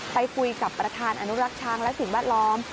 ไปคุยกับประธานอนุรักษ์ช้างและสิ่งแวดล้อม